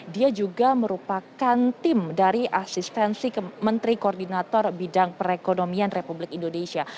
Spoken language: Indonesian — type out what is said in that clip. dia juga merupakan tim dari asistensi menteri koordinator bidang perekonomian republik indonesia